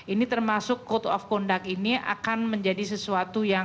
ini termasuk code of conduct ini akan menjadi sesuatu yang